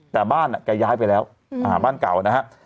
แต่บ้านแกย้ายไปแล้วบ้านเก่านะฮะ